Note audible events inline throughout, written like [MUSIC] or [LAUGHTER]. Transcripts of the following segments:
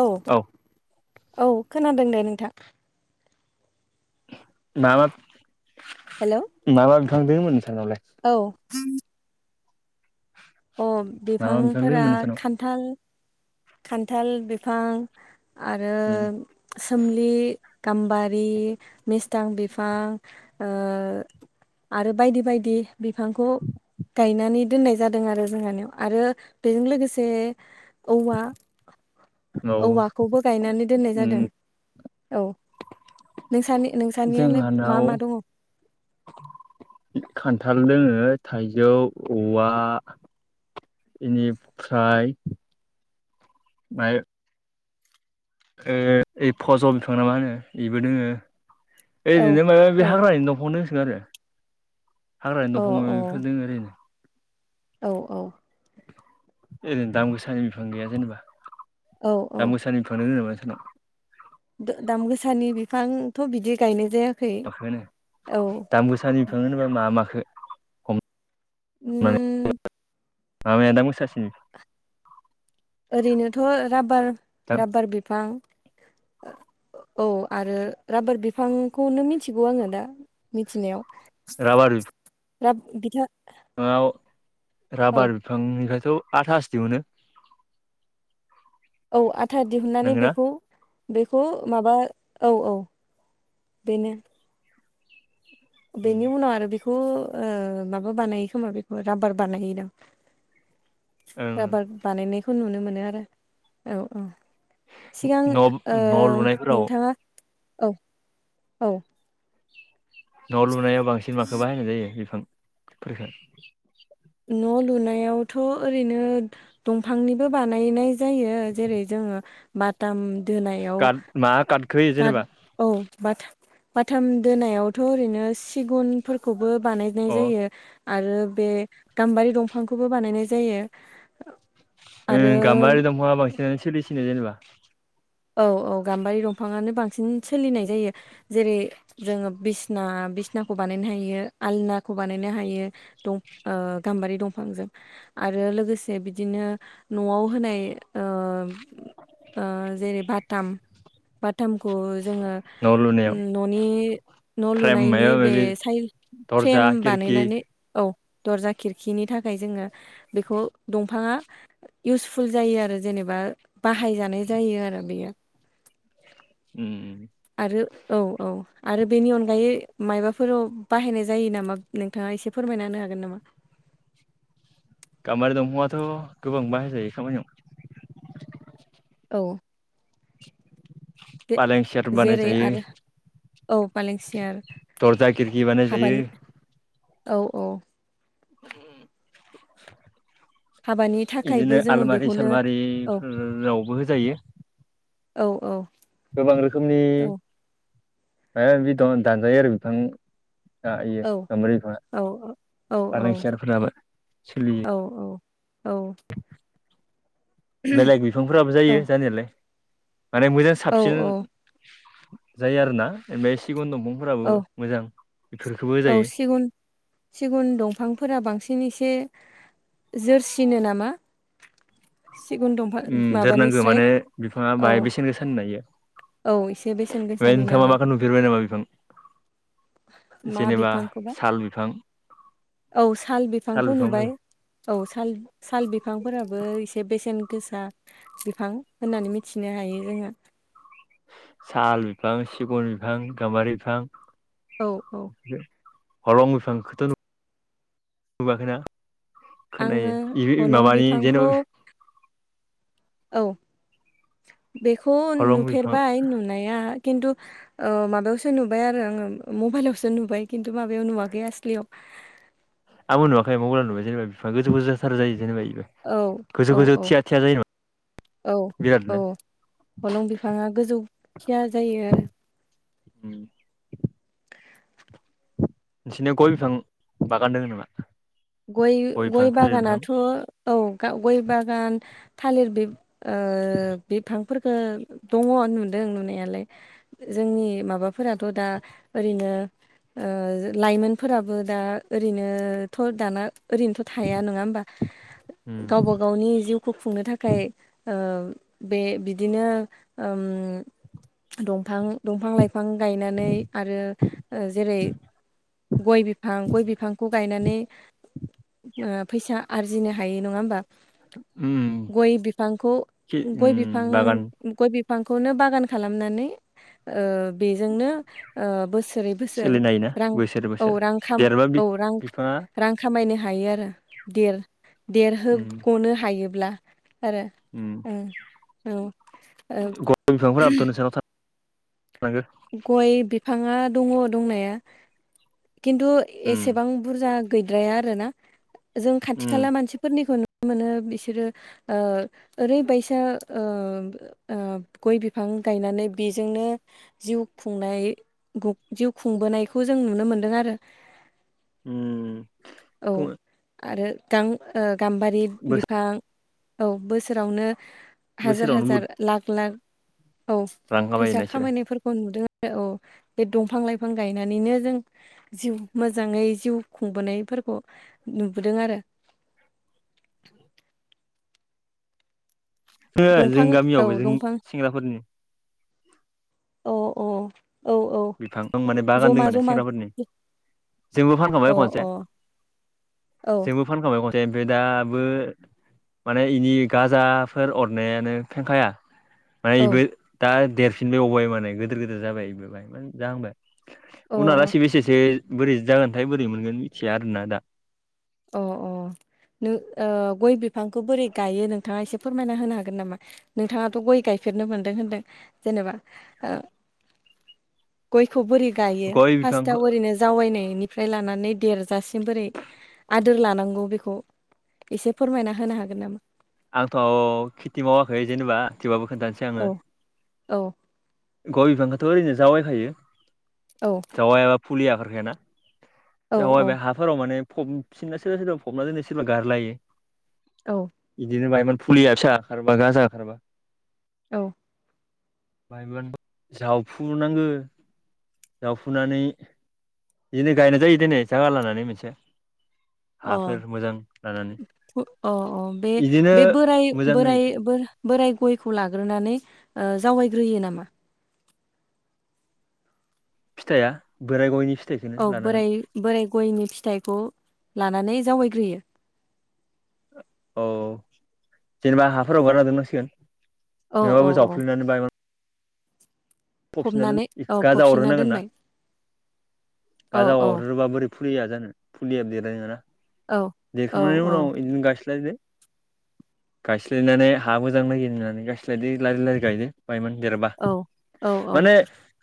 औ औ खोनादों दे नोंथां मा मा मा मा बिफां दोङो नोंसा नालाय? [INAUDIBLE] अ मा मा बिफां बिफांफोरा दोङोमोन नोंसानाव? खान्थाल खान्थाल बिफां आरो सोमलि गाम्बारि मेस्थां बिफां ओ आरो बायदि बायदि बिफांखौ गायनानै दोननाय जा दों आरो जोंहानियाव आरो बेजों लोगोसे औवा औ औवाखौबो गायनानै दोननाय जादों उम औ नोंसा नोंसानियालाय मा जोंहानाव मा दङ? खान्थाल दोङो थाइजौ औवा इनिफ्राय ओ ओ फजल बिफां ना मा होनो एबो दोङो औ ओरैनो माबा औ मायबि हाग्रानि दंफां दंसो गारो हाग्रानि औ दंफां दोंङो ओरैनो औ औ ओरैनो दाम गोसानि बिफां गैया जेनेबा औ दाम गोसानि बिफांनो जेनेबा [INAUDIBLE] दा-दाम गोसानि बिफांथ' बिदि गायनाय जाया [UNINTELLIGIBLE] दाम गोसानि बिफां होनोबा मा माखो हम उम मा माया दाम गोसासिन? ओरैनोथ' राबार दाम राबार बिफां। औ आरो राबार बिफांखौनो मिथिगौ आङो दा मिथिनायाव। राबार बिफ [UNINTELLIGIBLE] फांआव औ राबार बिफांनिफ्रायथ' आथासो‌ दिहुनो। औ आथा दिहुननानै नोंगोना? बेखौ बेखौ माबा औ औ बेनो। उम बेनि उनाव आरो बेखौ ओ माबा बानायो खोमा बेखौ राबार बानायहैयोदां। ओं राबार बानायनायखौ नुनो मोनो आरो औ औ। सिगां ओ न' न' लुनायफोराव नोंथाङा औ औ न' लुनायाव बांसिन माखौ बाहायनाय जायो बिफां फोरखो? न' लुनायावथ' ओरैनो दंफांनिबो बानायनाय जायो जेरै जों ङो बाथाम दोनायाव काट मा काटखौ होयो खाद जेनेबा औ बाथाम बाथाम दोनायावथ' ओरैनो सिगुनफोरखौबो बानायनाय अ जायो। आरो बे गाम्बारि दंफांखौबो बानायनाय जायो। उम आरो गाम्बारि दंफाङा बांसिनानो सोलिसिनो जेनेबा। औ औ गाम्बारि दंफाङानो बांसिन सोलिनाय जायो। जेरै जोङो बिसना बिसनाखौ बानायनो हायो आलनाखौ बानायनो हायो दं ओ गाम्बारि दंफांजों। आरो लोगोसे बिदिनो न'आव होनाय ओ ओ जेरै बाथाम बाथामखौ जोङो न' लुनायाव न'नि न' फ्रेम लुनायनि माबा बे माबि साइ दरजा फ्रेम खिरखि बानायनानै औ दरजा खिरखिनि थाखाय जोङो बेखौ दंफाङा इउसफुल जायो आरो जेनेब बा बाहाय जानाय जायो आरो बेयो। उम उम। आरो औ औ आरो बेनि अनगायै माइबाफोराव बाहायनाय जायो नामा नोंथाङा एसे फोरमायना होनो हागोन नामा? गाम्बारि दंफांआथ' गोबां बाहाय जायो खामानियाव। औ फालें सियार बानाय जेरै जायो। आरो औ पालें सियार दरजा खिरखि बानाय जायो। हाबानि औ औ। हाबानि थाखायबो बिदिनो जोङो आलमारि बेखौनो औ सालमारिफोरावबो होजायो औ औ। गोबां रोखोमनि औ माबा माबि द दानजायो आरो बिफां आ इयो औ गामबारि बिफाङा औ औ फालें सियारफोराबो सोलियो। औ औ बेलेग बिफांफोराबो जायो जानायालाय। माने मोजां औ साबसिन जायो आरो ना ओमफ्राय सिगुन दं औ औ जायो सिगुन सिगुन दंफांफोरा बांसिनै ए जोरसिनो नामा? सिगुन दंफां उम जोरनांगौ माबानिस्राय माने बिफांङा औ बाहाय बेसेन गोसानि ना इयो औ एसे बेसेन बे गोसानि नोंथांङा मा नालाय माखौ नुफेरबाय नामा बिफां मा जेनेबा बिफांखौबा साल बिफां औ साल बिफांखौ नुबाय औ औ साल साल बिफांफोराबो एसे बेसेन गोसा बिफां होननानै मिथिनो हायो। [UNINTELLIGIBLE] साल बिफां सिगुन बिफां गाम्बारि बिफां औ औ ह'रं बिफांखौथ' नु नुवाखैना खोनायो आङो इबो हलं माबानि बिफांखौ जेनेबा औ बेखौ हलं बिफां नुफेरबाय नुनाया खिन्थु ओ माबायावसो नुबाय आरो आंङो मबाइलावसो नुबाय खिन्थु माबायाव नुवाखै आस्लियाव आंबो नुवाखै मबेलाव नुबाय जेनेबा बिफां गोजौ गोजौ जाथार जायो जेनेबा औ गोजौ औ गोजौ औ थिया थिया जायो औ औ बिरादनो हलं बिफांङा गोजौथिया जायो आरो उम नोंसोरनि गय बिफां बागान दोंङ नामा? गय बिफां गय थालिर बिफां बागानाथ' औ गाव ग'य बागान थालिर बिब ओ बिफांफोरफोरखौ दंङ। अ नुदों नुनायालाय जोंनि माबाफोराथ' दा ओरैनो ओ लाइमोनफोराबो दा ओरैनोथ' दाना ओरैनोथ' थाया नंङा होमबा उम गावबा गावनि जिउखौ खुंनो थाखाय ओ बे बिदिनो ओम दंफां दंफां लाइफां गायनानै आरो ओ जेरै गय बिफां गय बिफांखौ गायनानै ओ फैसा आरजिनो हायो नंङा होमबा उम गय बिफांखौ खि उम गय बिफां बागान गय बि बिफांखौनो बागान खालामनानै ओ बेजोंनो ओ बोस बोसोरै बोसोर सोलिनो हायोना रां बोसोर औ बोसोर रां खाम देरबा बि औ रां बिफाङा रां खामायनो हायो आरो देर उम देरहोग'नो हायोब्ला आरो उम ओ औ औ गय बिफांफोराबोथ' नोंसानाव थानांगो गय बिफांङा दंङ दंनाया खिन्थु उम एसेबां बुरजा गैद्राया आरो ना जों खाथि उम खाला मानसिफोरनिखौ मोनो बिसोरो ओ ओरैबायसा ओ ओब गय बिफां गायनानै बेजोंनो जिउ खुंनाय जिउ खुंबोनायखौ जों नुनो मोनदों आरो उम औ आरो गां गाम्बारि बिफां औ बोसोरावनो हाजार बोसोरावनो बुहुद हाजार लाख लाख औ रां फैसा खामायोना इसोरो खामायनायफोरखौ नुदों औ बे दंफां लाइफां गायनानैनो जों जिउ मोजांङै जिउ खुंबोनायफोर नुबोदों आरो हो जों दंफां औ गामियावबो जों दंफां सेंग्राफोरनि अ अ औ औ बिफां माने बागानदों जमा माने जमा सेंग्राफोरनि जोंबो अ फानखांबाय खनसे औ जोंबो फानखांबाय फ्राय दाबो माने इनि गाजाफोर अरनायानो फेंखाया माने अ इबो दा देरफिनबाय अबबाय माने गोदोर गोदोर जाबाय बेबो बाय म जाह होनबाय अ उनालासेै बेसेसो बोरै जागोनथाय बोरै मोनगोन मिथिया आरोना दा ओ ओ नो ओ गय बिफांखौ बोरै गायो नोंथाङा एसे फोरमायना होनो हागोन नामा नोंथाङाथ' गय गाय फेरनो मोनदों होनदों जेनेबा ओ [INAUDIBLE] गयखौ बोरै गायो गय बिफांखौ फास्ताव ओरैनो जावायनायनिफ्राय लानानै देरजासिम बोरै आदोर लानांगौ बेखौ एसे फोरमायना होनो हागोन नामा? आंथ' खेथि मावाखै जेनेबा थेवबाबो खोन्थानोसै आङो औ औ गय बिफांखौथ' ओरैनो जावायखायो औ जावायाबा फुलि ओखारखायाना। औ जावायबा हाफोराव माने फबसिनना सोरबा सोरबा फबना दोनो सोरबा गारलायो। औ बिदिनो बायोमोन फुलिया फिसा हाखारबा गाजा हाखारबा औ [UNINTELLIGIBLE] जावफुनांगो। जावफुनानै बिदिनो गायनाय जायो दिनै जागा लानानै मोनसे हाफोर मोजां लानानै [UNINTELLIGIBLE] ओ ओ बिदिनो बे बोराय मोजाङै बोराय बो-बोराय गयखौ लाग्रोना नै ओ जावायग्रोयो नामा? फिथाइआ बोराइ गावनि औ बोराय बोराय गयनि फिथाइखौ लानानै जावायग्रोयो। औ जेनेबा हाफोराव हगारना दोननांसिगोन। औ औ नोवाबाबो औ जावफ्लिनानै बायमान। फफिना दोनो फबनानै इखो औ गाजा फबसिनना अरहोनांगोन ना दोनबाय औ गाजा औ अरहोबा बोरै फुलिया जानो फुलिया देरायरोङाना औ औ देरखांनायनि औ उनाव इदिनो गायस्लायदो। गायस्लायनानै हा मोजां नागिरनानै गायस्लायदो लारि लारि गायदो। बायमोन देरबा औ औ औ माने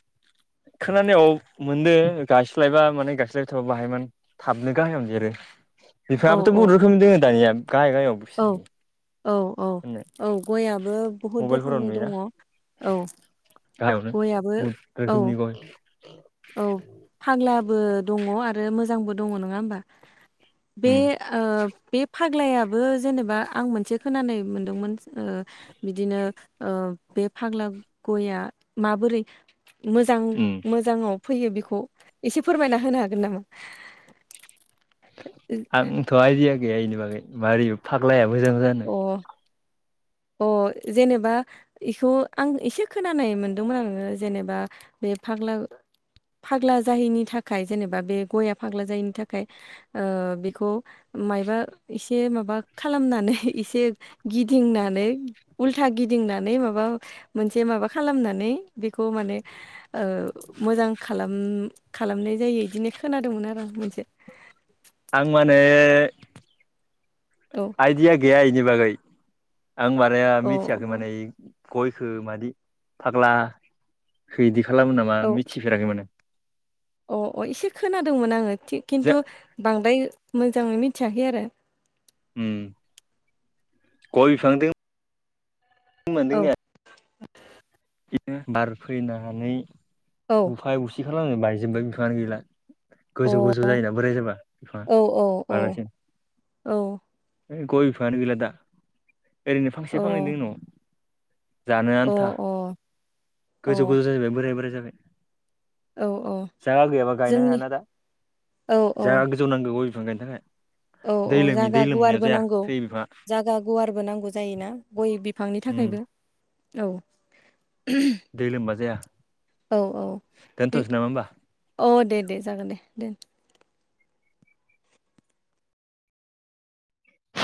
[INAUDIBLE] खोनानायाव मोनदो गायस्लायबा माने गायस्लायबाय थाबा बाहायमोन थाबनो गाहायावनो देरो। औ बिफाङाबोथ' बहुत रोखोमनि दङ दानिया गाहाय गाहायावबो फिथाय औ थायो। औ औ औ गयाबो बहुद रोखोमनि दङ औ गालायावनो गयाबो बुद औ रोखोमनि गय औ फाग्लाबो दङ आरो मोजांबो दङ नङा ओमबा? बे उम ओ बेफ फाग्लायाबो जेनेबा आं मोनसे खोनानाय मोनदोंमोन ओ बिदिनो ओ बे फाग्ला गया माबोरै मोजां उम मोजाङाव फैयो बेखौ एसे फोरमायना होनो हागोन नामा? आंथ' आइदिया गैया इनि बागै मारै फाग्लाया मोजां जानो। ओ जेनेबा इखौ आं एसे खोनानाय मोनदोंमोन आरोना जेनेबा बे फाग्ला फाग्ला जाहैनि थाखाय जेनेबा बे गआ फाग्ला जायैनि थाखाय ओ बेखौ मायबा एसे माबा खालामनानै एसे गिदिंना नै उल्था गिदिंनानै माबा मोनसे माबा खालामनानै बेखौ माने ओ मोजां खालाम खालामनाय जायो इदिनो खोनादोंमोन आरो आं मोनसे आं माने औ आइदिया गैया इनि बागै आं माराया औ मिथियाखै माने गयखौ मादि फाग्ला खौ इदि खालामो नामा मिथिफेराखैमोन आं ओ ओ एसे खोनादोंमोन आङो थि जो खिन्थु बांद्राय। मोजाङै मिथियाखै आरो ओ गय बिफां जों औ मदिङा बिदिनो बार फैनानै औ गुफाया गुसि खालामनो बायजोबबाय बिफाङानो गैला। गोजौ गोजौ जायोना बोराय जाबा बिफाङा अ औ औ बलासिन गय बिफाङानो गैला दा ओरैनो अ फांसे फांनै दन'। जानो अ आन्था अ गोजौ अ गोजौ जाहैबाय बोराय बोराय जाबाय‌ औ औ जा गैयाबा गायनो जोंनि हायाना दा औ औ जा गोजौ नांगौ मानि थाखाय। औ दै औ लोमि जागा दै लोमनाया गुवारबो जाया नांगौ थैयो बिफाङा जागा गुवारबो नांगौ जायोना गय बिफांनि उम थाखायबो औ। दै लोमबा जाया औ औ बे दोनथ'सै नामा होमबा। औ दे दे जागोन दे दोन।